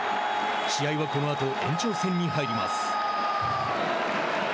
試合は、このあと延長戦に入ります。